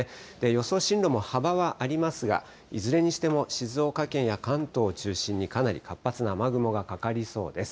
予想進路も幅はありますが、いずれにしても、静岡県や関東中心にかなり活発な雨雲がかかりそうです。